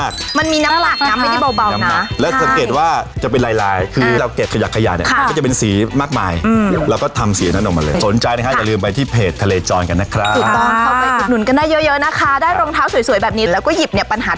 กับโครงการที่มีชื่อว่า